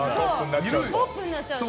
トップになっちゃうと。